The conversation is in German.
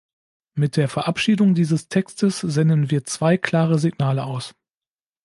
Mit der Verabschiedung dieses Textes senden wir zwei klare Signale aus.